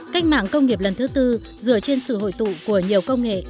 cách mạng công nghiệp lần thứ tư dựa trên sự hội tụ của nhiều công nghệ